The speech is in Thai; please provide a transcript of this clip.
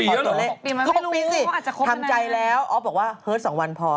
๖ปีไม่รู้สิทำใจแล้วอ๊อฟบอกว่าเฮิร์ต๒วันพอ